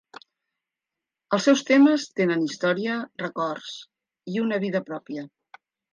Els seus temes tenen història, records i una vida pròpia.